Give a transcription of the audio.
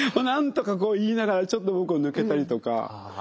なんとかこう言いながらちょっと僕も抜けたりとか。